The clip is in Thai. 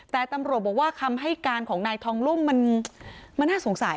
แต่ตำรวจบอกว่าคำให้การของนายทองลุ่มมันน่าสงสัย